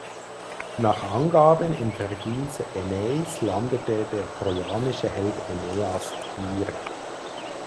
Nach Angaben in Vergils Aeneis landete der trojanische Held Aeneas hier.